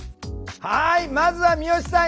はいまずは三好さん